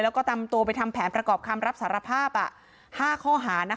แล้วก็นำตัวไปทำแผนประกอบคำรับสารภาพ๕ข้อหา